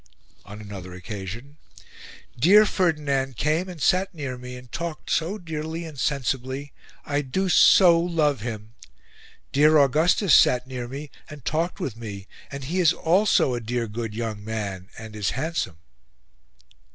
On another occasion, "Dear Ferdinand came and sat near me and talked so dearly and sensibly. I do SO love him. Dear Augustus sat near me and talked with me, and he is also a dear good young man, and is very handsome."